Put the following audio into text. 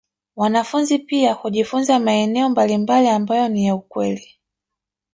Wanafunzi pia hujifunza maeneo mbalimbali ambayo ni ya kweli